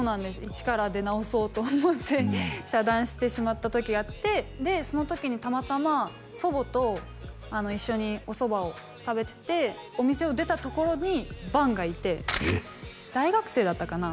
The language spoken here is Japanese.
一から出直そうと思って遮断してしまった時があってでその時にたまたま祖母と一緒におそばを食べててお店を出たところに伴がいて大学生だったかな？